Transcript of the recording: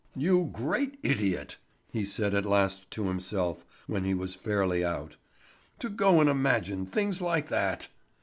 "You great idiot!" he said at last to himself when he was fairly out. "To go and imagine things like that!"